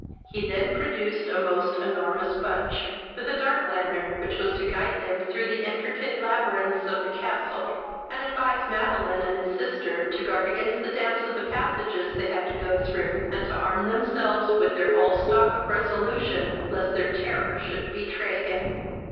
He then produced a most enormous bunch, with a dark lantern, which was to guide them through the intricate labyrinths of the castle, and advised Madeline and his sister to guard against the damps of the passages they had to go through, and to arm themselves with their whole stock of resolution, lest their terror should betray him.